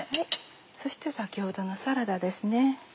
そして先ほどのサラダですね。